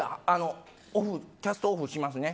キャストオフしますね。